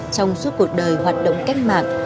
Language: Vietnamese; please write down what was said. trong suốt cuộc đời hoạt động cách mạng